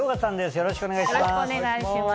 よろしくお願いします。